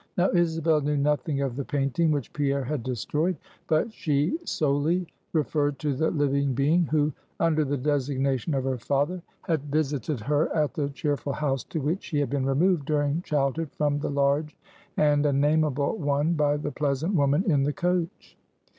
Now, Isabel knew nothing of the painting which Pierre had destroyed. But she solely referred to the living being who under the designation of her father had visited her at the cheerful house to which she had been removed during childhood from the large and unnamable one by the pleasant woman in the coach.